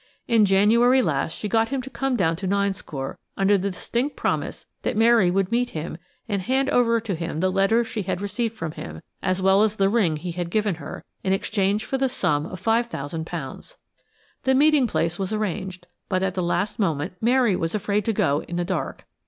In January last she got him to come down to Ninescore under the distinct promise that Mary would meet him and hand over to him the letters she had received from him, as well as the ring he had given her, in exchange for the sum of £5,000. The meeting place was arranged, but at the last moment Mary was afraid to go in the dark.